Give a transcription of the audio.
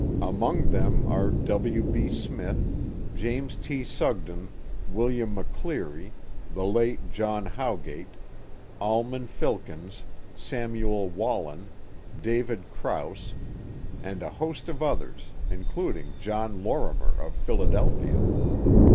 Among them are W. B. Smith, James T. Sugden, William McCleary, the late John Howgate, Almon Filkins, Samuel Wallin, David Crouse, and a host of others, including John Lorrimer of Philadelphia.